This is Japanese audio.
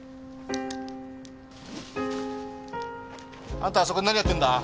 あんたそこで何やってんだ？